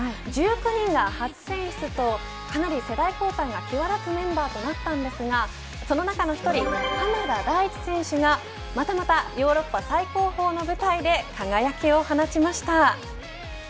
１９人が初選出とかなり世代交代が際立つメンバーとなったんですがその中の１人鎌田大地選手が、またまたヨーロッパ最高峰の舞台で輝きを放ちました。